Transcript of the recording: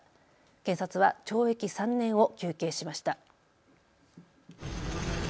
検察は懲役３年を求刑しました。